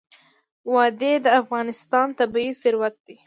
وادي د افغانستان طبعي ثروت دی.